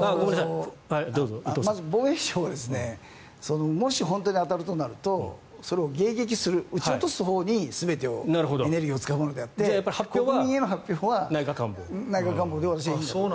まず、防衛省はもし本当に当たるとなるとそれを迎撃する撃ち落とすほうにエネルギーを使うものであって国民への発表は内閣官房で私はいいと思います。